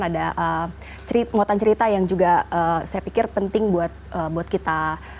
ada muatan cerita yang juga saya pikir penting buat kita